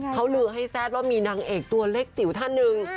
เขาลือให้แซ่ดว่ามีนางเอกตัวเล็กจิ๋วท่านหนึ่ง